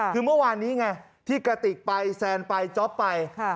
คือเมื่อวานนี้ไงที่กระติกไปแซนไปจ๊อปไป